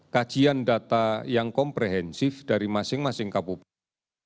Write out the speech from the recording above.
kajian data yang komprehensif dari masing masing kabupaten